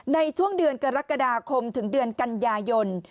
ในช่วงเดือนกรกฎาคมถึงเดือนกันยายน